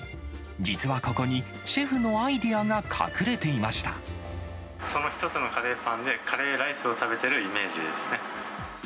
実はここに、シェフのアイデアがその１つのカレーパンで、カレーライスを食べてるイメージですね。